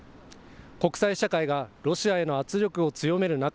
国際社会がロシアへの圧力を強める中、